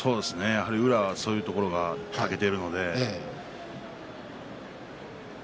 宇良はそういうところがたけているので。